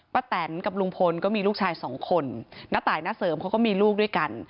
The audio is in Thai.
แตนกับลุงพลก็มีลูกชายสองคนณตายณเสริมเขาก็มีลูกด้วยกัน